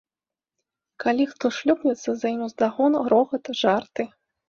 Калі хто шлёпнецца, за ім уздагон рогат, жарты.